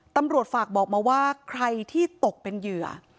ตำรวจฝากบอกมาว่าใครที่ตกเป็นเหยื่อ